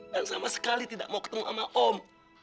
dan sama sekali tidak mau ketemu sama om